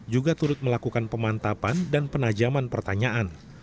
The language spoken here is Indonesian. juga turut melakukan pemantapan dan penajaman pertanyaan